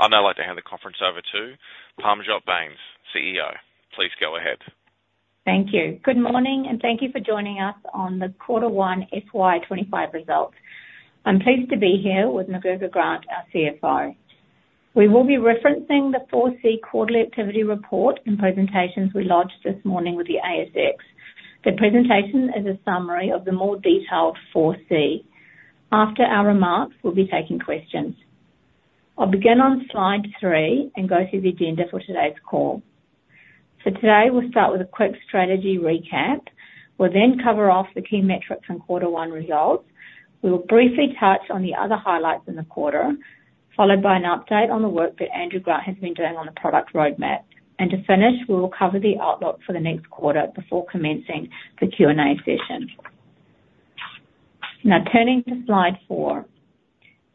I'd now like to hand the conference over to Parmjot Bains, CEO. Please go ahead. Thank you. Good morning, and thank you for joining us on the Quarter One FY25 Results. I'm pleased to be here with McGregor Grant, our CFO. We will be referencing the 4C quarterly activity report and presentations we launched this morning with the ASX. The presentation is a summary of the more detailed 4C. After our remarks, we'll be taking questions. I'll begin on slide three and go through the agenda for today's call. So today, we'll start with a quick strategy recap. We'll then cover off the key metrics and quarter one results. We will briefly touch on the other highlights in the quarter, followed by an update on the work that Andrew Grant has been doing on the product roadmap. And to finish, we will cover the outlook for the next quarter before commencing the Q&A session. Now, turning to slide four.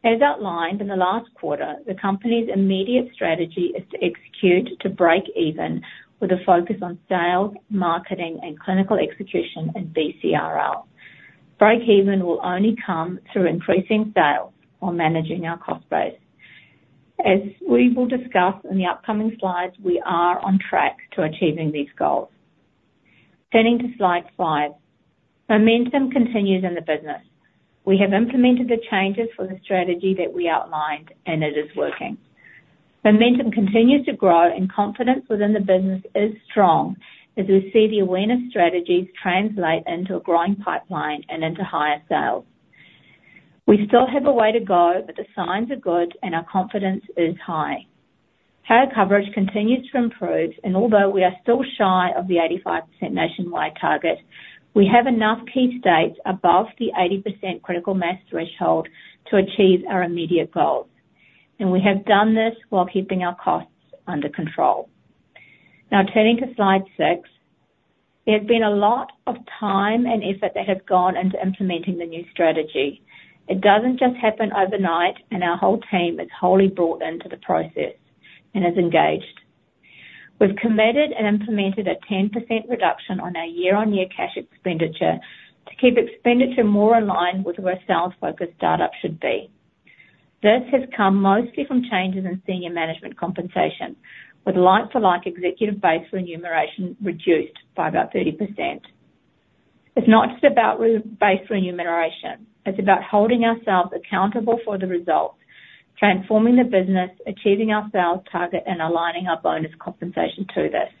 As outlined in the last quarter, the company's immediate strategy is to execute to break even with a focus on sales, marketing, and clinical execution, and BCRL. Break even will only come through increasing sales or managing our cost base. As we will discuss in the upcoming slides, we are on track to achieving these goals. Turning to slide five. Momentum continues in the business. We have implemented the changes for the strategy that we outlined, and it is working. Momentum continues to grow and confidence within the business is strong as we see the awareness strategies translate into a growing pipeline and into higher sales. We still have a way to go, but the signs are good and our confidence is high. Higher coverage continues to improve, and although we are still shy of the 85% nationwide target, we have enough key states above the 80% critical mass threshold to achieve our immediate goals, and we have done this while keeping our costs under control. Now, turning to slide six. There has been a lot of time and effort that has gone into implementing the new strategy. It doesn't just happen overnight, and our whole team is wholly bought into the process and is engaged. We've committed and implemented a 10% reduction on our year-on-year cash expenditure to keep expenditure more in line with where sales-focused startups should be. This has come mostly from changes in senior management compensation, with like-for-like executive base remuneration reduced by about 30%. It's not just about rebasing remuneration, it's about holding ourselves accountable for the results, transforming the business, achieving our sales target, and aligning our bonus compensation to this.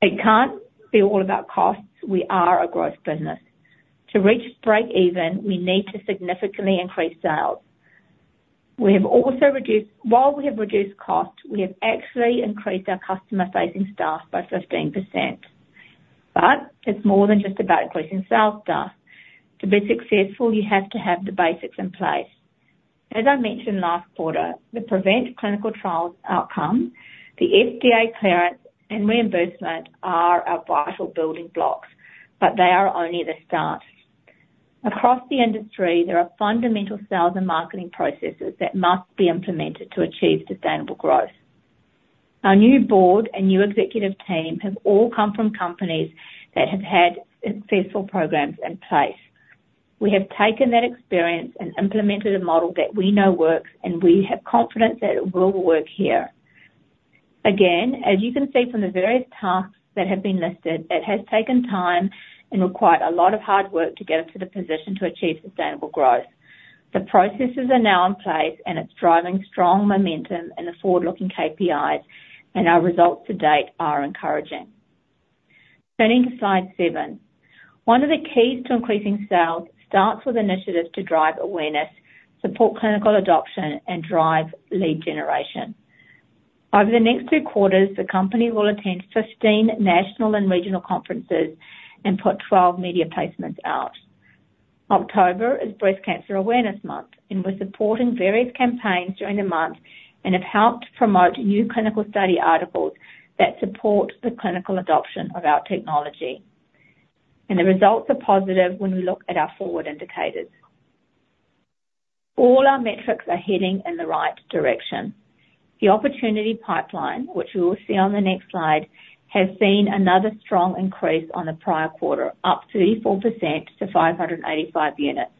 It can't be all about costs. We are a growth business. To reach break even, we need to significantly increase sales. We have also reduced costs. While we have reduced costs, we have actually increased our customer-facing staff by 15%. But it's more than just about increasing sales staff. To be successful, you have to have the basics in place. As I mentioned last quarter, the PREVENT clinical trials outcome, the FDA clearance and reimbursement are our vital building blocks, but they are only the start. Across the industry, there are fundamental sales and marketing processes that must be implemented to achieve sustainable growth. Our new board and new executive team have all come from companies that have had successful programs in place. We have taken that experience and implemented a model that we know works, and we have confidence that it will work here. Again, as you can see from the various tasks that have been listed, it has taken time and required a lot of hard work to get us to the position to achieve sustainable growth. The processes are now in place, and it's driving strong momentum and the forward-looking KPIs, and our results to date are encouraging. Turning to slide seven. One of the keys to increasing sales starts with initiatives to drive awareness, support clinical adoption, and drive lead generation. Over the next two quarters, the company will attend 15 national and regional conferences and put 12 media placements out. October is Breast Cancer Awareness Month, and we're supporting various campaigns during the month and have helped promote new clinical study articles that support the clinical adoption of our technology, and the results are positive when we look at our forward indicators. All our metrics are heading in the right direction. The opportunity pipeline, which we will see on the next slide, has seen another strong increase on the prior quarter, up 34% to 585 units.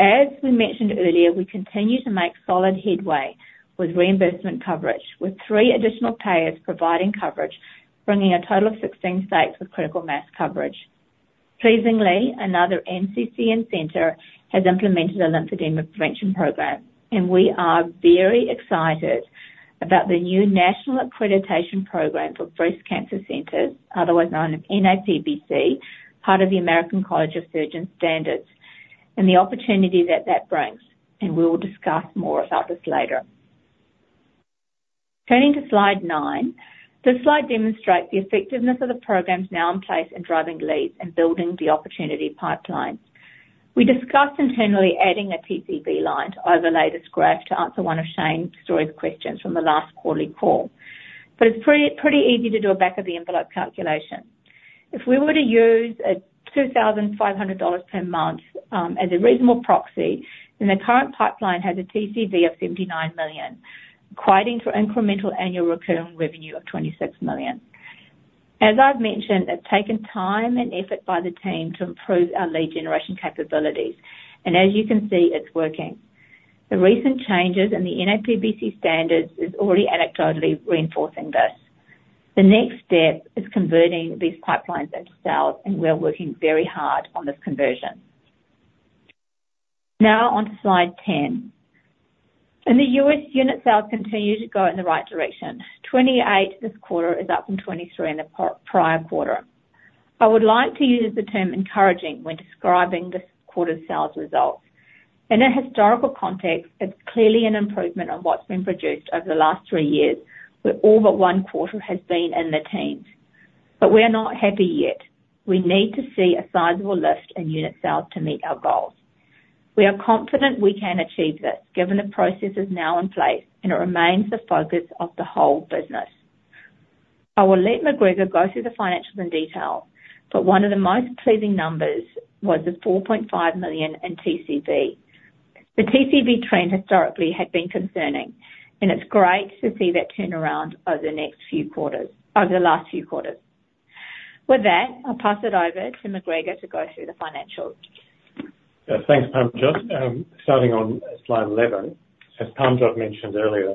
As we mentioned earlier, we continue to make solid headway with reimbursement coverage, with three additional payers providing coverage, bringing a total of 16 states with critical mass coverage. Pleasingly, another NCCN center has implemented a lymphedema prevention program, and we are very excited about the new National Accreditation Program for Breast Centers, otherwise known as NAPBC, part of the American College of Surgeons Standards, and the opportunity that that brings, and we will discuss more about this later. Turning to slide nine. This slide demonstrates the effectiveness of the programs now in place in driving leads and building the opportunity pipeline. We discussed internally adding a TCV line to overlay this graph to answer one of Shane Storey's questions from the last quarterly call, but it's pretty, pretty easy to do a back-of-the-envelope calculation. If we were to use a 2,500 dollars per month as a reasonable proxy, then the current pipeline has a TCV of 79 million, equating to incremental annual recurring revenue of 26 million. As I've mentioned, it's taken time and effort by the team to improve our lead generation capabilities, and as you can see, it's working. The recent changes in the NAPBC standards is already anecdotally reinforcing this. The next step is converting these pipelines into sales, and we are working very hard on this conversion. Now on to slide 10. In the U.S., unit sales continue to go in the right direction. 28 this quarter is up from 23 in the prior quarter. I would like to use the term encouraging when describing this quarter's sales results. In a historical context, it's clearly an improvement on what's been produced over the last three years, where all but one quarter has been in the teens. But we are not happy yet. We need to see a sizable lift in unit sales to meet our goals. We are confident we can achieve this, given the processes now in place, and it remains the focus of the whole business. I will let McGregor go through the financials in detail, but one of the most pleasing numbers was the 4.5 million in TCV. The TCV trend historically had been concerning, and it's great to see that turn around over the last few quarters. With that, I'll pass it over to McGregor to go through the financials. Thanks, Parmjot. Starting on slide 11. As Parmjot mentioned earlier,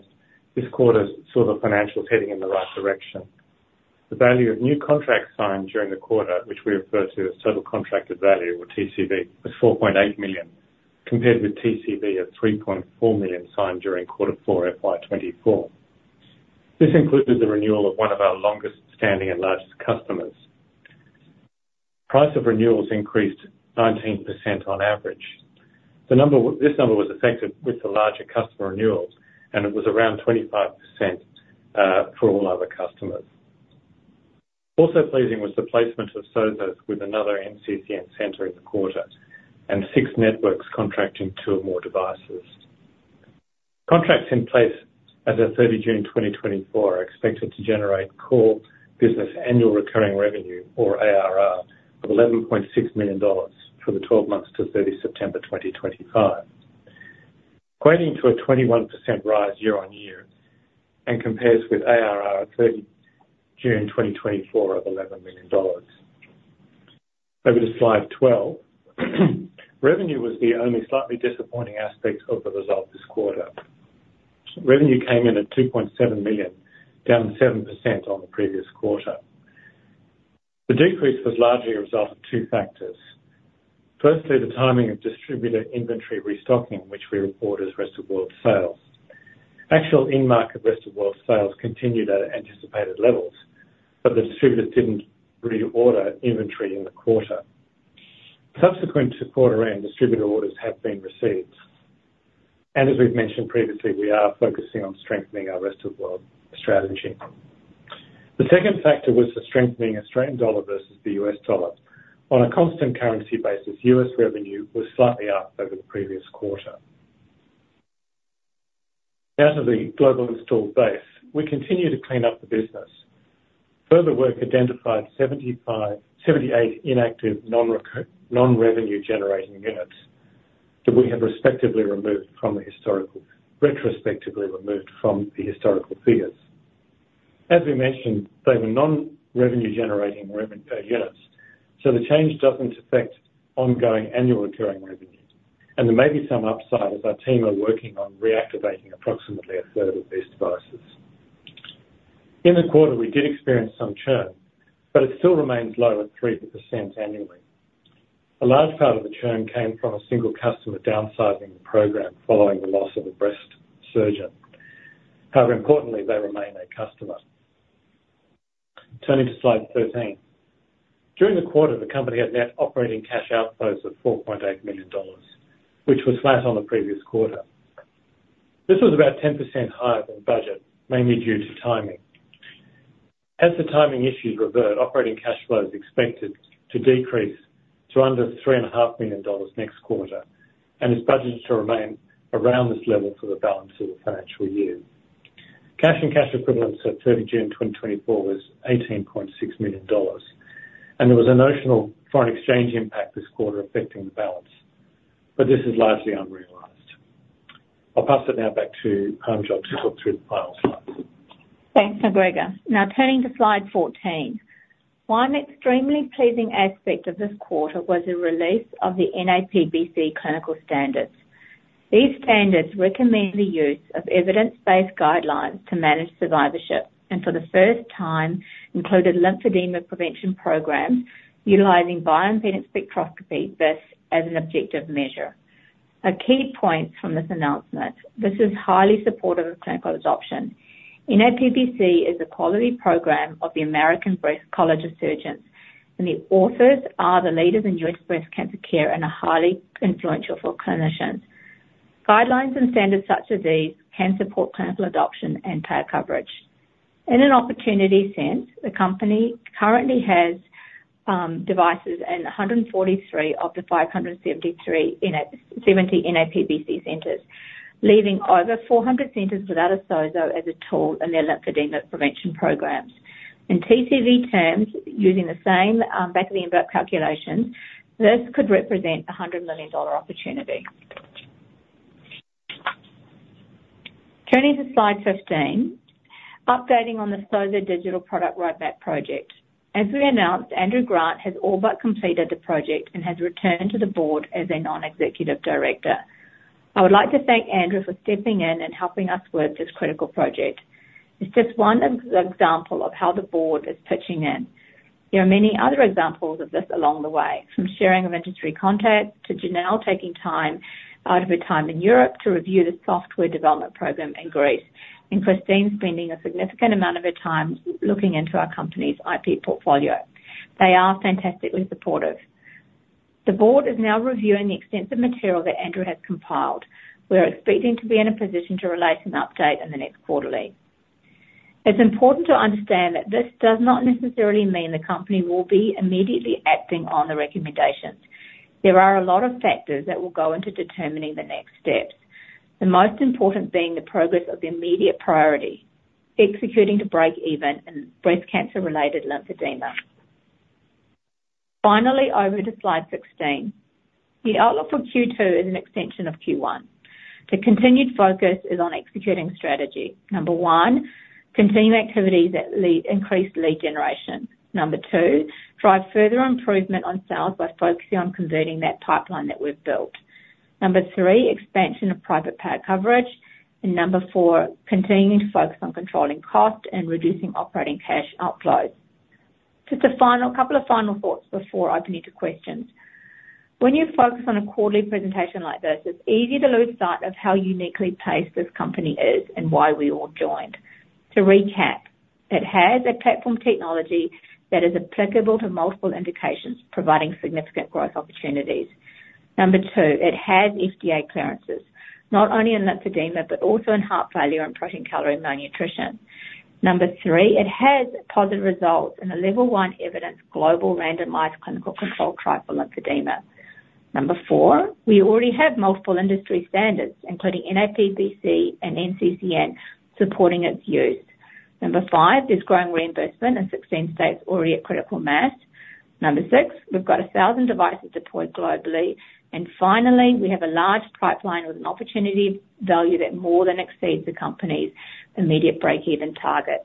this quarter saw the financials heading in the right direction. The value of new contracts signed during the quarter, which we refer to as Total Contracted Value, or TCV, was 4.8 million, compared with TCV of 3.4 million signed during quarter four, FY24. This included the renewal of one of our longest-standing and largest customers. Price of renewals increased 19% on average. This number was affected with the larger customer renewals, and it was around 25% for all other customers. Also pleasing was the placement of SOZO with another NCCN center in the quarter, and six networks contracting two or more devices. Contracts in place as of 30 June 2024 are expected to generate core business Annual Recurring Revenue, or ARR, of 11.6 million dollars for the 12 months to 30 September 2025, equating to a 21% rise year-on-year, and compares with ARR at 30 June 2024 of 11 million dollars. Over to slide 12. Revenue was the only slightly disappointing aspect of the result this quarter. Revenue came in at 2.7 million, down 7% on the previous quarter. The decrease was largely a result of two factors. Firstly, the timing of distributor inventory restocking, which we report as rest of world sales. Actual in-market rest of world sales continued at anticipated levels, but the distributors didn't reorder inventory in the quarter. Subsequent to quarter end, distributor orders have been received, and as we've mentioned previously, we are focusing on strengthening our rest of world strategy. The second factor was the strengthening Australian dollar versus the U.S. dollar. On a constant currency basis, U.S. revenue was slightly up over the previous quarter. Now to the global installed base. We continue to clean up the business. Further work identified 78 inactive non-revenue generating units that we have respectively removed from the historical figures retrospectively. As we mentioned, they were non-revenue generating units, so the change doesn't affect ongoing annual recurring revenue, and there may be some upside, as our team are working on reactivating approximately a third of these devices. In the quarter, we did experience some churn, but it still remains low at 3% annually. A large part of the churn came from a single customer downsizing the program following the loss of a breast surgeon. However, importantly, they remain a customer. Turning to slide 13. During the quarter, the company had net operating cash outflows of 4.8 million dollars, which was flat on the previous quarter. This was about 10% higher than budget, mainly due to timing. As the timing issues revert, operating cash flow is expected to decrease to under 3.5 million dollars next quarter, and is budgeted to remain around this level for the balance of the financial year. Cash and cash equivalents at 30 June 2024 was 18.6 million dollars, and there was a notional foreign exchange impact this quarter affecting the balance, but this is largely unrealized. I'll pass it now back to Parmjot to talk through the final slides. Thanks, McGregor. Now turning to slide 14. One extremely pleasing aspect of this quarter was the release of the NAPBC clinical standards. These standards recommend the use of evidence-based guidelines to manage survivorship, and for the first time, included lymphedema prevention programs utilizing bioimpedance spectroscopy, this as an objective measure. A key point from this announcement, this is highly supportive of clinical adoption. NAPBC is a quality program of the American College of Surgeons, and the authors are the leaders in U.S. breast cancer care and are highly influential for clinicians. Guidelines and standards such as these can support clinical adoption and payer coverage. In an opportunity sense, the company currently has devices in 143 of the 573 NAPBC centers, leaving over 400 centers without a SOZO as a tool in their lymphedema prevention programs. In TCV terms, using the same back-of-the-envelope calculations, this could represent a 100 million dollar opportunity. Turning to slide 15, updating on the SOZO digital product write-back project. As we announced, Andrew Grant has all but completed the project and has returned to the board as a non-executive director. I would like to thank Andrew for stepping in and helping us with this critical project. It's just one example of how the board is pitching in. There are many other examples of this along the way, from sharing inventory contacts, to Janelle taking time out of her time in Europe to review the software development program in Greece, and Christine spending a significant amount of her time looking into our company's IP portfolio. They are fantastically supportive. The board is now reviewing the extensive material that Andrew has compiled. We're expecting to be in a position to release an update in the next quarterly. It's important to understand that this does not necessarily mean the company will be immediately acting on the recommendations. There are a lot of factors that will go into determining the next steps, the most important being the progress of the immediate priority, executing to breakeven and breast cancer-related lymphedema. Finally, over to slide 16. The outlook for Q2 is an extension of Q1. The continued focus is on executing strategy. Number one, continue activities that lead to increased lead generation. Number two, drive further improvement on sales by focusing on converting that pipeline that we've built. Number three, expansion of private payer coverage. And number four, continuing to focus on controlling costs and reducing operating cash outflows. Just a couple of final thoughts before I open you to questions. When you focus on a quarterly presentation like this, it's easy to lose sight of how uniquely placed this company is and why we all joined. To recap, it has a platform technology that is applicable to multiple indications, providing significant growth opportunities. Number two, it has FDA clearances, not only in lymphedema, but also in heart failure and protein-calorie malnutrition. Number three, it has positive results in a level one evidence, global randomized clinical control trial for lymphedema. Number four, we already have multiple industry standards, including NAPBC and NCCN, supporting its use. Number five, there's growing reimbursement in sixteen states already at critical mass. Number six, we've got a thousand devices deployed globally. And finally, we have a large pipeline with an opportunity value that more than exceeds the company's immediate breakeven target.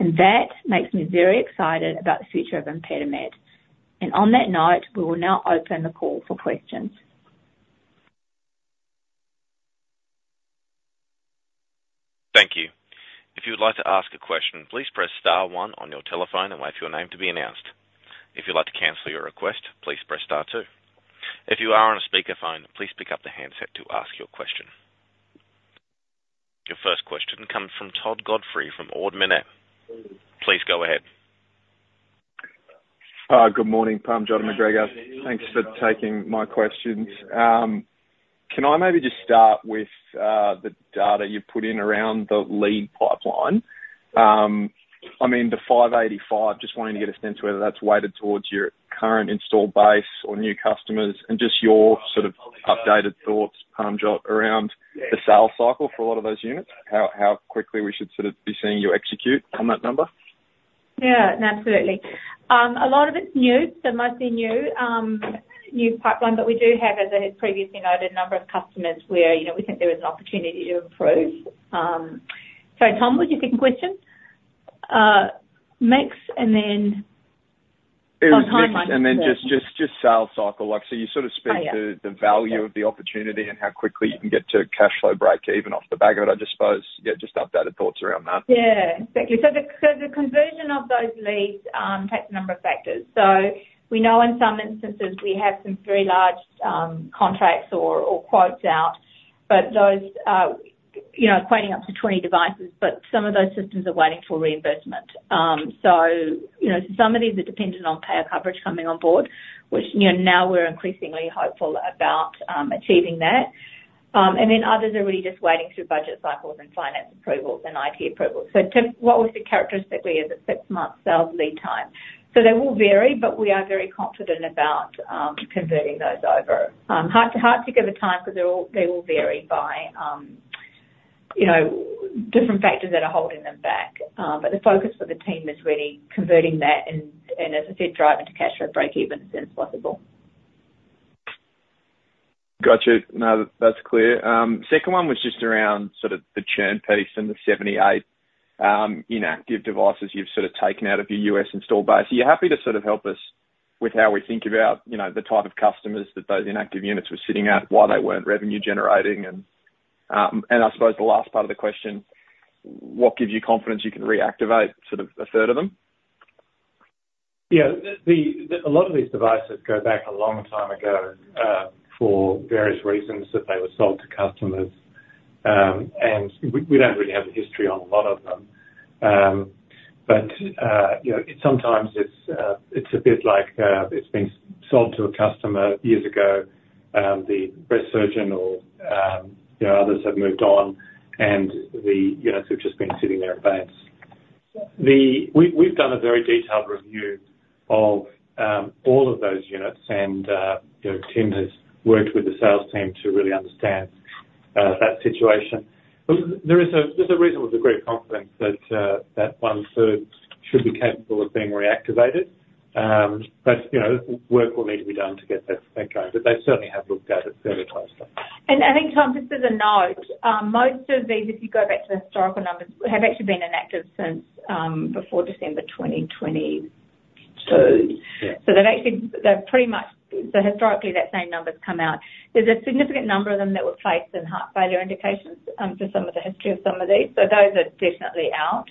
And that makes me very excited about the future of ImpediMed. On that note, we will now open the call for questions. Thank you. If you would like to ask a question, please press star one on your telephone and wait for your name to be announced. If you'd like to cancel your request, please press star two. If you are on a speakerphone, please pick up the handset to ask your question. Your first question comes from Tom Godfrey from Ord Minnett. Please go ahead. Good morning, Parmjot, McGregor. Thanks for taking my questions. Can I maybe just start with the data you've put in around the lead pipeline? I mean, the 585, just wanting to get a sense whether that's weighted towards your current install base or new customers, and just your sort of updated thoughts, Parmjot, around the sales cycle for a lot of those units, how quickly we should sort of be seeing you execute on that number? Yeah, absolutely. A lot of it's new, so mostly new, new pipeline, but we do have, as I had previously noted, a number of customers where, you know, we think there is an opportunity to improve. So Tom, what's your second question? Mix, and then- It was mix, and then just sales cycle. Like, so you sort of spoke the value of the opportunity and how quickly you can get to cash flow breakeven off the back of it. I just suppose, yeah, just updated thoughts around that. Yeah, thank you. So the conversion of those leads takes a number of factors. So we know in some instances we have some very large contracts or quotes out, but those you know equating up to twenty devices, but some of those systems are waiting for reimbursement. So you know some of these are dependent on payer coverage coming on board, which you know now we're increasingly hopeful about achieving that. And then others are really just waiting through budget cycles and finance approvals and IT approvals. So Tom, what we see characteristically is a six-month sales lead time. So they will vary, but we are very confident about converting those over. Hard to give a time, because they all vary by you know different factors that are holding them back. But the focus for the team is really converting that, and as I said, driving to cash flow breakeven as soon as possible. Got you. No, that's clear. Second one was just around sort of the churn piece and the 78 inactive devices you've sort of taken out of your U.S. install base. Are you happy to sort of help us with how we think about, you know, the type of customers that those inactive units were sitting at, why they weren't revenue generating? And, and I suppose the last part of the question, what gives you confidence you can reactivate sort of a third of them? Yeah. A lot of these devices go back a long time ago, for various reasons that they were sold to customers, and we don't really have a history on a lot of them. But you know, sometimes it's a bit like it's been sold to a customer years ago, the breast surgeon or you know, others have moved on, and the units have just been sitting there in banks. We've done a very detailed review of all of those units, and you know, Tim has worked with the sales team to really understand that situation. But there's a reason with great confidence that one third should be capable of being reactivated. But you know, work will need to be done to get that going. But they certainly have looked at it very closely. And I think, Tom, just as a note, most of these, if you go back to the historical numbers, have actually been inactive since before December 2022. Yeah. They've pretty much historically that same number's come out. There's a significant number of them that were placed in heart failure indications, for some of the history of some of these, so those are definitely out.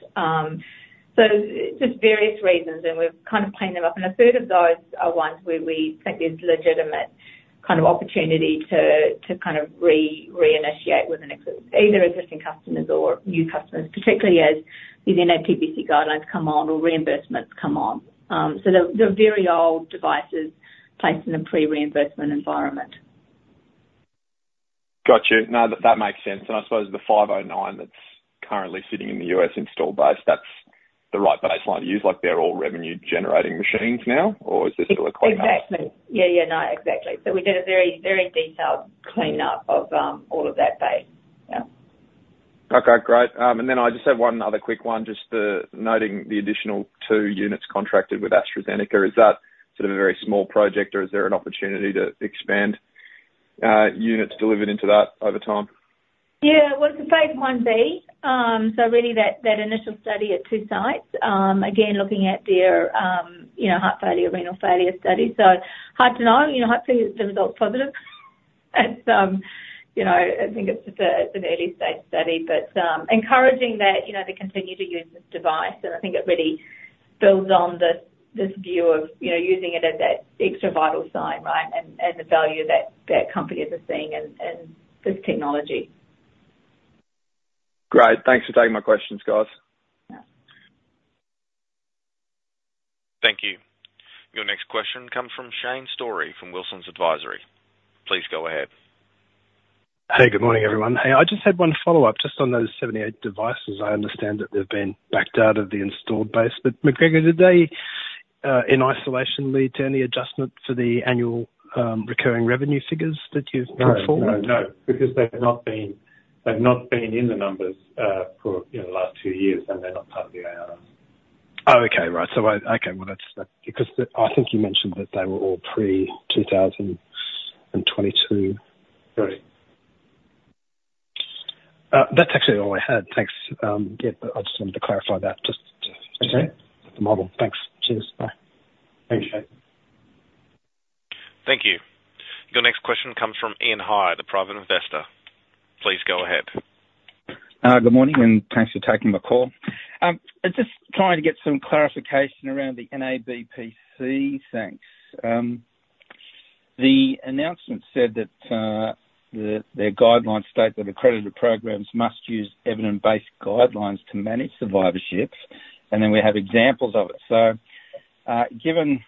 Just various reasons, and we've kind of cleaned them up, and a third of those are ones where we think there's legitimate kind of opportunity to reinitiate with either existing customers or new customers, particularly as these NAPBC guidelines come on or reimbursements come on. They're very old devices placed in a pre-reimbursement environment. Got you. No, that makes sense. And I suppose the 509 that's currently sitting in the U.S. installed base, that's the right baseline to use, like, they're all revenue generating machines now, or is there still a clean up? Exactly. Yeah, yeah. No, exactly. So we did a very, very detailed cleanup of all of that base. Yeah. Okay, great. And then I just have one other quick one, just noting the additional two units contracted with AstraZeneca. Is that sort of a very small project, or is there an opportunity to expand units delivered into that over time? Yeah, well, it's a Phase 1b. So really that initial study at two sites, again, looking at their, you know, heart failure, renal failure study. So, hard to know, you know, hopefully the results positive. And, you know, I think it's a, it's an early stage study, but, encouraging that, you know, they continue to use this device, and I think it really builds on this view of, you know, using it as that extra vital sign, right? And, the value that the companies are seeing in this technology. Great. Thanks for taking my questions, guys. Yeah. Thank you. Your next question comes from Shane Storey from Wilsons Advisory. Please go ahead. Hey, good morning, everyone. Hey, I just had one follow-up, just on those seventy-eight devices. I understand that they've been backed out of the installed base, but McGregor, did they in isolation lead to any adjustment to the annual recurring revenue figures that you've put forward? No, no. Because they've not been, they've not been in the numbers, you know, the last two years, and they're not part of the ARRs. Okay. Right. So, okay, well, that's because I think you mentioned that they were all pre 2023. Right. That's actually all I had. Thanks. Yeah, but I just wanted to clarify that just- Okay. The model. Thanks. Cheers. Bye. Thanks, Shane. Thank you. Your next question comes from Ian High, the private investor. Please go ahead. Good morning, and thanks for taking my call. I'm just trying to get some clarification around the NAPBC. Thanks. The announcement said that the guidelines state that accredited programs must use evidence-based guidelines to manage survivorship, and then we have examples of it. So, given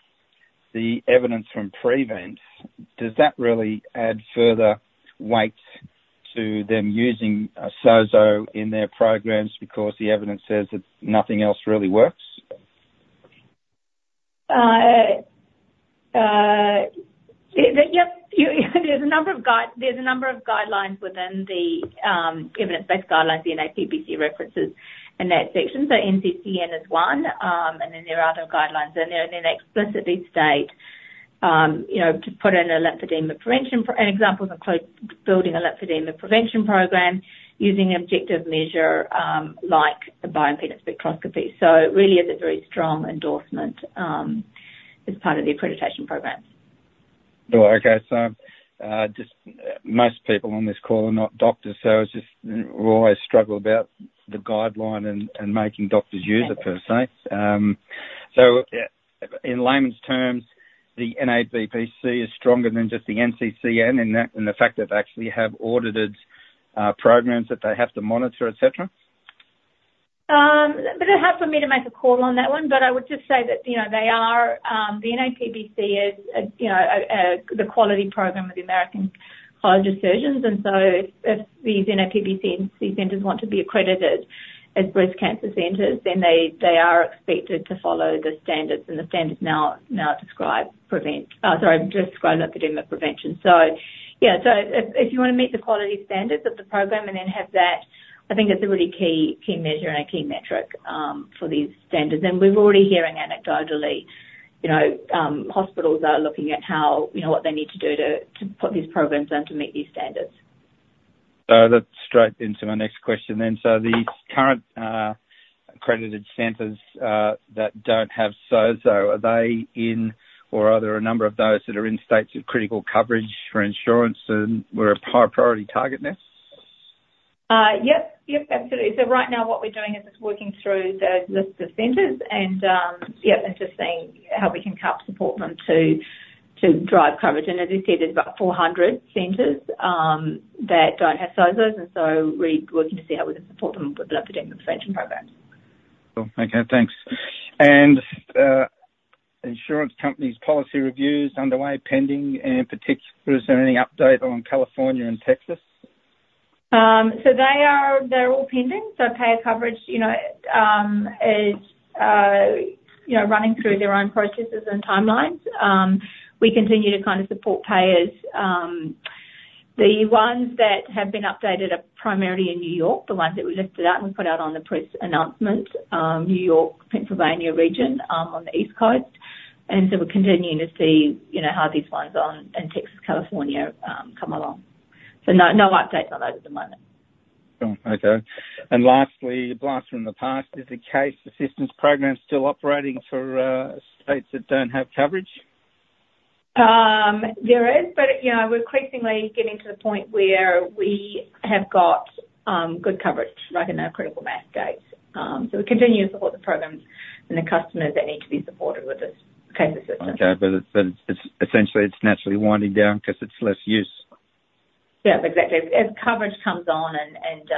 the evidence from PREVENT, does that really add further weight to them using SOZO in their programs because the evidence says that nothing else really works? Yeah, there's a number of guidelines within the evidence-based guidelines, the NAPBC references in that section. So NCCN is one, and then there are other guidelines in there, and they explicitly state, you know, to put in a lymphedema prevention program and examples include building a lymphedema prevention program using objective measures like the bioimpedance spectroscopy. So it really is a very strong endorsement as part of the accreditation program. Oh, okay. So, just most people on this call are not doctors, so it's just we always struggle about the guideline and making doctors use it per se. So in layman's terms, the NAPBC is stronger than just the NCCN in that in the fact that they actually have audited programs that they have to monitor, et cetera? But it's hard for me to make a call on that one, but I would just say that, you know, they are, the NAPBC is a, you know, a, the quality program of the American College of Surgeons. And so if these NAPBC centers want to be accredited as breast cancer centers, then they are expected to follow the standards, and the standards now describe lymphedema prevention. So yeah, so if you want to meet the quality standards of the program and then have that, I think it's a really key measure and a key metric for these standards. And we're already hearing anecdotally, you know, hospitals are looking at how, you know, what they need to do to put these programs in to meet these standards. That's straight into my next question then. The current accredited centers that don't have SOZO, are they in or are there a number of those that are in states of critical coverage for insurance and were a high priority target now? Yep. Yep, absolutely. So right now, what we're doing is just working through the list of centers and just seeing how we can help support them to drive coverage. And as you said, there's about 400 centers that don't have SOZOs, and so we're working to see how we can support them with the lymphedema prevention program. Cool. Okay, thanks. And, insurance companies' policy reviews underway, pending, and in particular, is there any update on California and Texas? So they are. They're all pending. So payer coverage, you know, is, you know, running through their own processes and timelines. We continue to kind of support payers. The ones that have been updated are primarily in New York, the ones that we lifted out and we put out on the press announcement, New York, Pennsylvania region, on the East Coast. And so we're continuing to see, you know, how these ones in Texas, California, come along. So no, no update on those at the moment. Oh, okay. And lastly, a blast from the past, is the case assistance program still operating for states that don't have coverage? There is, but you know, we're increasingly getting to the point where we have got good coverage, like in our critical mass states, so we continue to support the programs and the customers that need to be supported with this case assistance. Okay, but it's essentially, it's naturally winding down 'cause it's less use. Yeah, exactly. As coverage comes on and,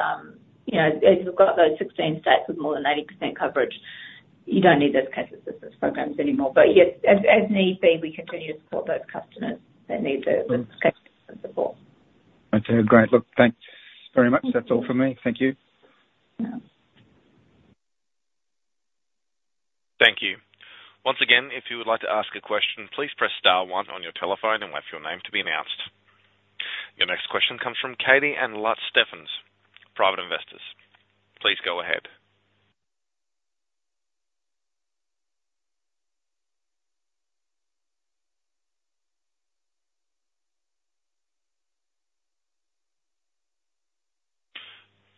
you know, as we've got those 16 states with more than 80% coverage, you don't need those case assistance programs anymore. But yes, as need be, we continue to support those customers that need the case support. Okay, great. Look, thanks very much. Thank you. That's all from me. Thank you. Yeah. Thank you. Once again, if you would like to ask a question, please press star one on your telephone and wait for your name to be announced. Your next question comes from Katie and Lutz Steffens, private investors. Please go ahead.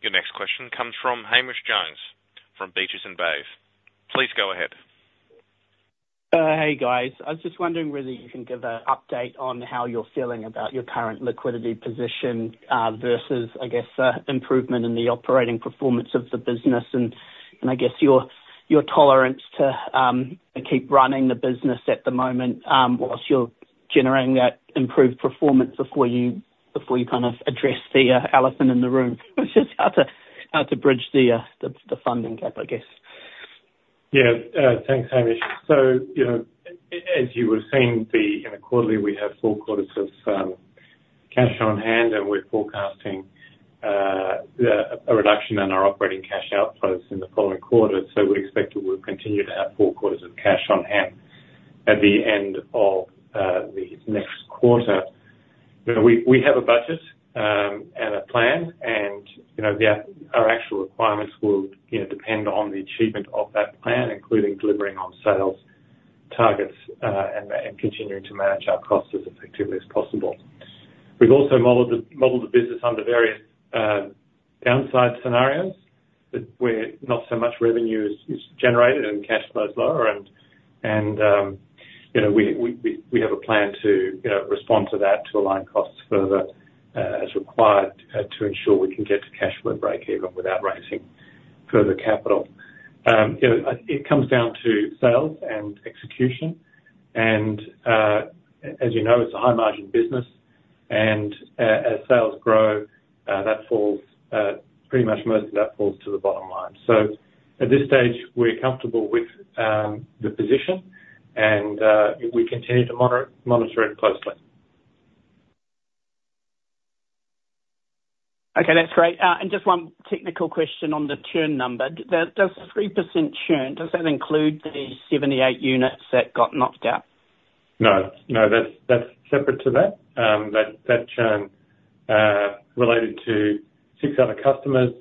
Your next question comes from Hamish Jones, from Beaches and Bays. Please go ahead. Hey, guys. I was just wondering whether you can give an update on how you're feeling about your current liquidity position versus, I guess, the improvement in the operating performance of the business, and I guess your tolerance to keep running the business at the moment whilst you're generating that improved performance before you kind of address the elephant in the room, which is how to bridge the funding gap, I guess. Yeah. Thanks, Hamish. So, you know, as you were seeing the, you know, quarterly, we have four quarters of cash on hand, and we're forecasting a reduction in our operating cash outflows in the following quarter. So we expect that we'll continue to have four quarters of cash on hand at the end of the next quarter. You know, we have a budget and a plan, and, you know, our actual requirements will, you know, depend on the achievement of that plan, including delivering on sales targets and continuing to manage our costs as effectively as possible. We've also modeled the business under various downside scenarios, that where not so much revenue is generated and cash flow is lower. You know, we have a plan to, you know, respond to that, to align costs further, as required, to ensure we can get to cash flow breakeven without raising further capital. You know, it comes down to sales and execution, and as you know, it's a high margin business, and as sales grow, that falls pretty much most of that falls to the bottom line. So at this stage, we're comfortable with the position, and we continue to monitor it closely. Okay, that's great. And just one technical question on the churn number. Does 3% churn, does that include the 78 units that got knocked out? No, no, that's separate to that. That churn related to six other customers,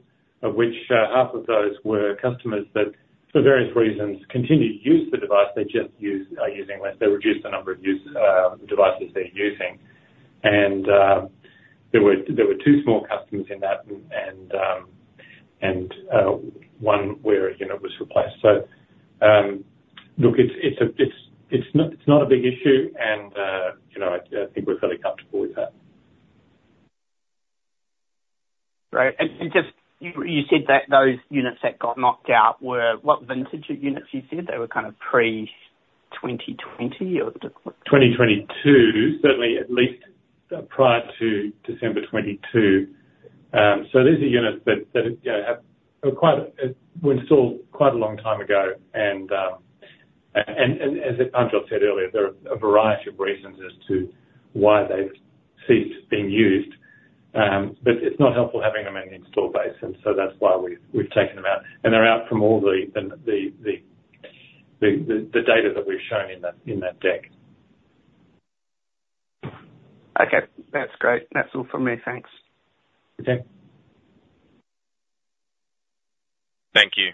of which half of those were customers that, for various reasons, continue to use the device. They just are using less. They reduced the number of devices they're using. And there were two small customers in that, and one where a unit was replaced. So look, it's not a big issue, and you know, I think we're fairly comfortable with that. Great. And just you said that those units that got knocked out were what vintage of units you said? They were kind of pre-2020, or what? 2022. Certainly at least prior to December 2022. So these are units that you know were installed quite a long time ago. And as Parmjot said earlier, there are a variety of reasons as to why they've ceased being used. But it's not helpful having them in the installed base, and so that's why we've taken them out. And they're out from all the data that we've shown in that deck. Okay. That's great. That's all from me. Thanks. Okay. Thank you.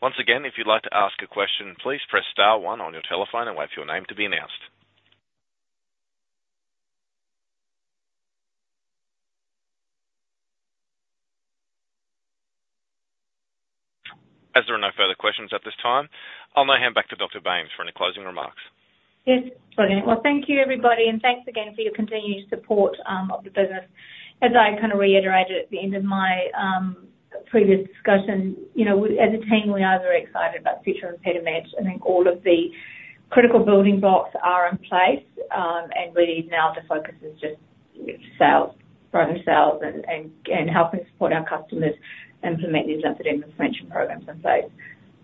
Once again, if you'd like to ask a question, please press star one on your telephone and wait for your name to be announced. As there are no further questions at this time, I'll now hand back to Dr. Bains for any closing remarks. Yes. Well, thank you, everybody, and thanks again for your continued support of the business. As I kind of reiterated at the end of my previous discussion, you know, we, as a team, we are very excited about the future of ImpediMed, and I think all of the critical building blocks are in place. And really now the focus is just sales, growing sales, and helping support our customers implement these lymphedema prevention programs in place.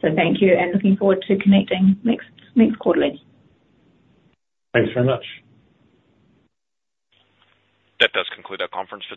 So thank you, and looking forward to connecting next quarterly. Thanks very much. That does conclude our conference today.